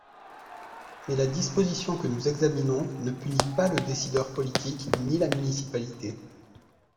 Mais la disposition que nous examinons ne punit pas le décideur politique ni la municipalité.